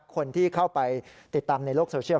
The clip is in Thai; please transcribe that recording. คนที่เข้าไปติดตามในโลกโซเชียล